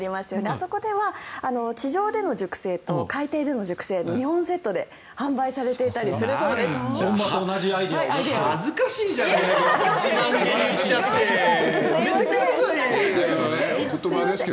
あそこでは地上での熟成と海底での熟成の２本セットで販売されていたりするそうです。